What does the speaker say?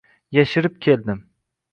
yashirib keldim.